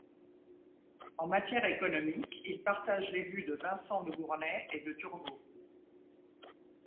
En matière économique, il partage les vues de Vincent de Gournay et de Turgot.